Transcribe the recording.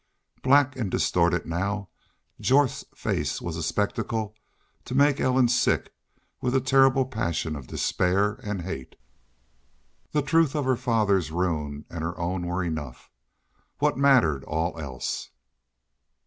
Black and distorted now, Jorth's face was a spectacle to make Ellen sick with a terrible passion of despair and hate. The truth of her father's ruin and her own were enough. What mattered all else?